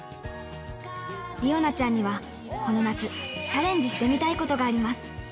理央奈ちゃんにはこの夏、チャレンジしてみたいことがあります。